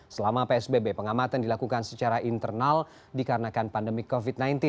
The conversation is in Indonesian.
selama psbb pengamatan dilakukan secara internal dikarenakan pandemi covid sembilan belas